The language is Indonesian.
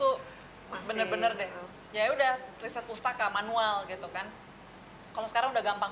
tuh bener bener deh ya udah riset pustaka manual gitu kan kalau sekarang udah gampang